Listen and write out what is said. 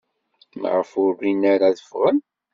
Maɣef ur rin ara ad ffɣen?